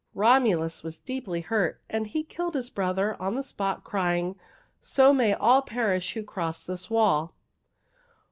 Romulus was deeply hurt, and he killed his brother on the spot, crying, 'So may all perish who cross this wall!'